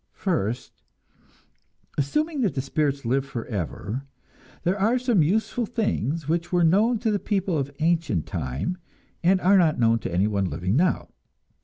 First, assuming that the spirits live forever, there are some useful things which were known to the people of ancient time, and are not known to anyone living now.